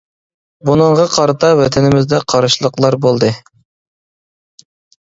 بۇنىڭغا قارىتا ۋەتىنىمىزدە قارشىلىقلار بولدى.